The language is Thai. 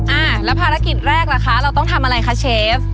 อ่าแล้วภารกิจแรกล่ะคะเราต้องทำอะไรคะเชฟ